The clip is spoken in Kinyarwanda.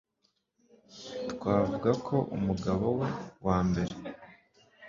twavuga ko umugabo we wa mbere